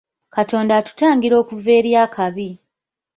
Katonda atutangira okuva eri akabi.